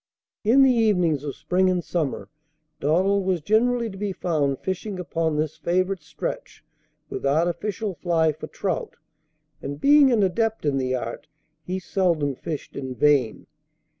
In the evenings of spring and summer Donald was generally to be found fishing upon this favourite stretch with artificial fly for trout, and, being an adept in the art, he seldom fished in vain.